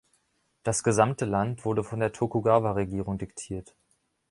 Das gesamte Land wurde von der Tokugawa-Regierung diktiert.